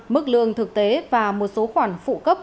mức lương thực tế và một số khoản phụ cấp